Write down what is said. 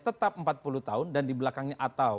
tetap empat puluh tahun dan di belakangnya atau